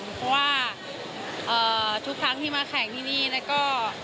เพราะว่าทุกครั้งที่มาแข่งที่นี่แล้วก็